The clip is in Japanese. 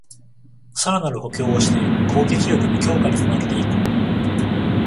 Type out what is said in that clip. さらなる補強をして攻撃力の強化につなげていく